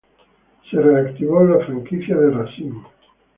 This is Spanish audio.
La franquicia de Racine se reactivó.